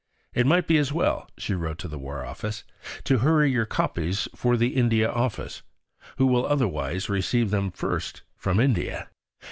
"It might be as well," she wrote to the War Office, "to hurry your copies for the India Office, who will otherwise receive them first from India."